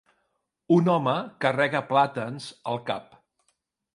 Un home carrega plàtans al cap.